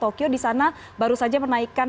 tokyo di sana baru saja menaikkan